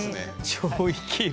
超生きる。